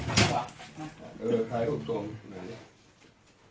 เออบอกแล้ว